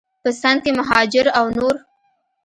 په سند کې مهاجر او نور